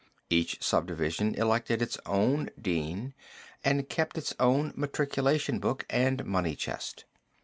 Each subdivision elected its own dean and kept its own matriculation book and money chest.